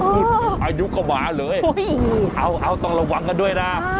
อ้าวอันนึกก็หม้าเลยเอาเอาต้องระหวังกันด้วยนะ